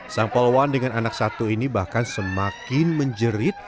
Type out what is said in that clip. sang poluan dengan anak satu ini bahkan semakin menjerit